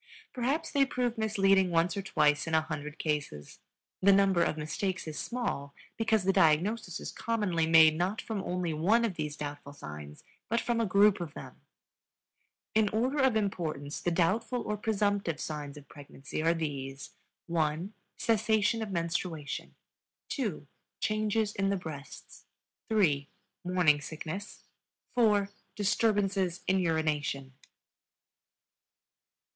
Perhaps they prove misleading once or twice in a hundred cases; the number of mistakes is small, because the diagnosis is commonly made not from only one of these doubtful signs but from a group of them. In order of importance the doubtful or presumptive signs of pregnancy are these: (1) cessation of menstruation, (2) changes in the breasts, (3) morning sickness, (4) disturbances in urination.